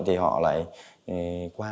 thì họ lại qua